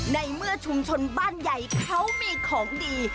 ในเมื่อชุมชนบ้านใหญ่เขามีของดี